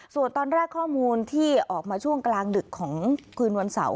ส่วนตอนแรกข้อมูลที่ออกมาช่วงกลางดึกของคืนวันเสาร์